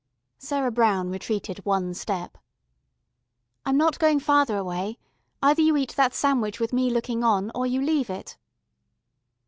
Sarah Brown retreated one step. "I'm not going farther away. Either you eat that sandwich with me looking on, or you leave it."